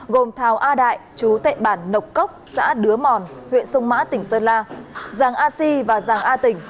gồm thào a đại chú tệ bản nộc cốc xã đứa mòn huyện sông mã tỉnh sơn la giang a si và giang a tỉnh